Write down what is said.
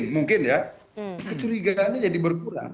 mungkin ya kecurigaannya jadi berkurang